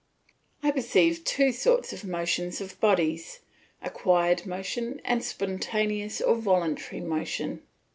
I perceive two sorts of motions of bodies, acquired motion and spontaneous or voluntary motion.